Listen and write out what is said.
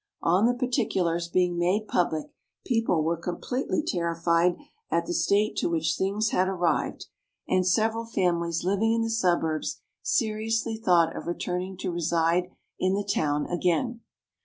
On the particulars being made public people were completely terrified at the state to which things had arrived, and several families living in the suburbs, seriously thought of returning to reside in the town again.